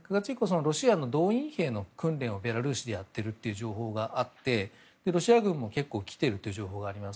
ロシアの動員兵の訓練をベラルーシでやっているという情報があってロシア軍も結構来ているという情報があります。